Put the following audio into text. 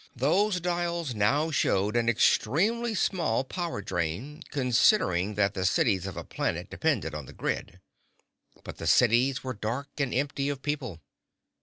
Those dials now showed an extremely small power drain, considering that the cities of a planet depended on the grid. But the cities were dark and empty of people.